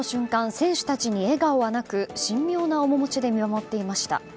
選手たちに笑顔はなく神妙な面持ちで見守っていました。